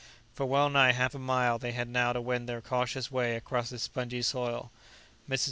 For well nigh half a mile they had now to wend their cautious way across this spongy soil. Mrs.